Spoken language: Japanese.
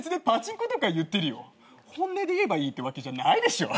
本音で言えばいいってわけじゃないでしょ。